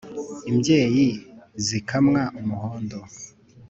imbyeyi zikamwa umuhondo